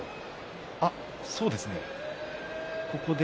そうですね。